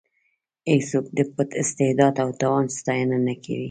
هېڅوک د پټ استعداد او توان ستاینه نه کوي.